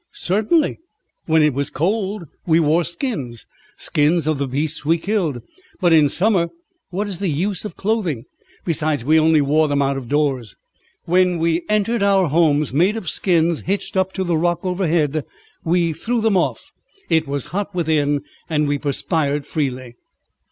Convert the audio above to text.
"Certainly, when it was cold we wore skins, skins of the beasts we killed. But in summer what is the use of clothing? Besides, we only wore them out of doors. When we entered our homes, made of skins hitched up to the rock overhead, we threw them off. It was hot within, and we perspired freely."